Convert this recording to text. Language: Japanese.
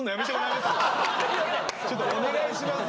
ちょっとお願いします。